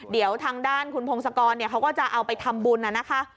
เดี๋ยวทางด้านคุณพงศกรเขาก็จะเอาไปทำบุญนะคะ